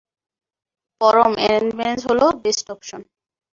পরম, arrange marriage হলো best option.